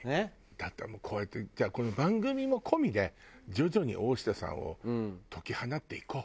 だってもうこうやってじゃあこの番組も込みで徐々に大下さんを解き放っていこう。